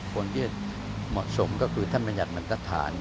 คนที่เหมาะสมก็คือท่านบัญญัติเหมือนตัดฐาน